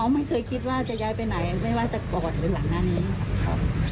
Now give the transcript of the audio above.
ไม่เคยคิดว่าจะย้ายไปไหนหรือหลังนานนี้